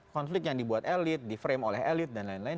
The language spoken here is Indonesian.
konflik yang dibuat elit di frame oleh elit dan lain lain